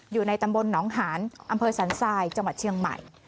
อยู่ในตำบลหนองหานอำเภอสันทรายจังหวัดเชียงใหม่